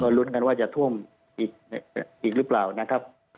ก็ลุ้นกันว่าจะท่วมอีกอีกหรือเปล่านะครับครับ